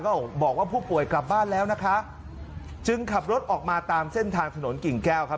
ก็บอกว่าผู้ป่วยกลับบ้านแล้วนะคะจึงขับรถออกมาตามเส้นทางถนนกิ่งแก้วครับ